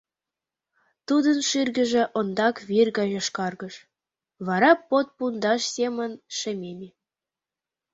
Тудын шӱргыжӧ ондак вӱр гай йошкаргыш, вара под пундаш семын шемеме.